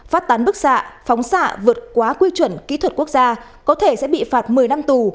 phát tán bức xạ phóng xạ vượt quá quy chuẩn kỹ thuật quốc gia có thể sẽ bị phạt một mươi năm tù